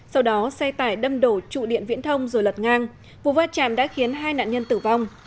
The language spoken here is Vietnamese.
sau đó xe tải đâm đổ trụ điện viễn thông rồi lật ngang vụ va chạm đã khiến hai nạn nhân tử vong